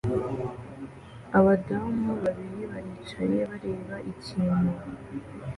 Abadamu babiri baricaye bareba ikintu